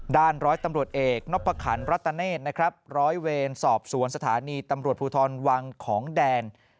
ร้อยตำรวจเอกนพคันรัตเนธนะครับร้อยเวรสอบสวนสถานีตำรวจภูทรวังของแดน